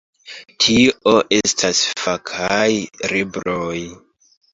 Tio estas fakaj libroj.